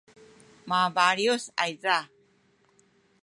mabaliyus ayza